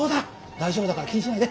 大丈夫だから気にしないで。